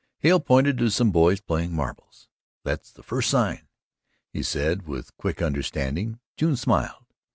Hale pointed to some boys playing marbles. "That's the first sign," he said, and with quick understanding June smiled.